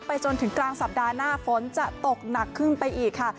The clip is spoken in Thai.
จนถึงกลางสัปดาห์หน้าฝนจะตกหนักขึ้นไปอีกค่ะ